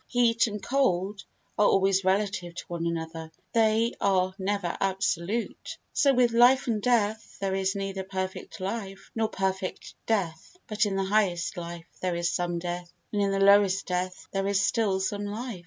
Heat and cold are always relative to one another, they are never absolute. So with life and death, there is neither perfect life nor perfect death, but in the highest life there is some death and in the lowest death there is still some life.